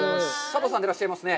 佐藤さんでいらっしゃいますね。